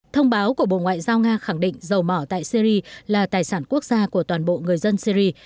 thông báo của bộ ngoại giao nga khẳng định dầu mỏ tại syri là tài sản quốc gia của toàn bộ người dân syri